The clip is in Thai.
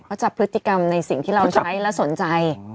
เขาจับพฤติกรรมในสิ่งที่เราใช้และสนใจ